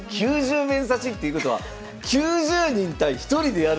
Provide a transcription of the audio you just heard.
９０面指しっていうことは９０人対１人でやるわけですか？